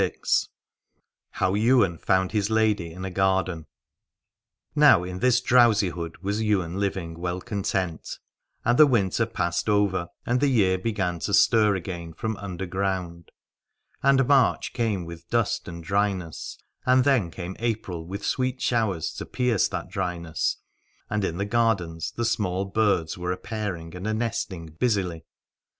HOW YWAIN FOUND HIS LADY IN A GARDEN. Now in this drowsihood was Ywain living well content : and the winter passed over and the year began to stir again from under ground. And March came with dust and dryness, and then came April with sweet showers to pierce that dryness, and in the gardens the small birds were a pairing and a nesting busily.